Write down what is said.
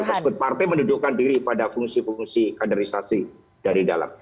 kalau tersebut partai mendudukkan diri pada fungsi fungsi kaderisasi dari dalam